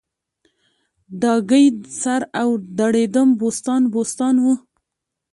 ډاګی سر او دړیدم بوستان بوستان و